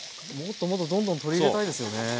もっともっとどんどん取り入れたいですよね。